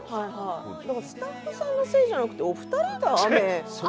スタッフさんのせいじゃなくてお二人の。